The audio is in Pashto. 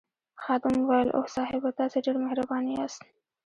خادم وویل اوه صاحبه تاسي ډېر مهربان یاست.